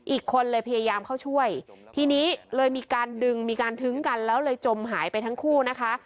อีกคนเลยพยายามเข้าช่วยทีนี้เลยมีการดึงมีการทึ้งกันแล้วเลยจมหายไปทั้งคู่นะคะ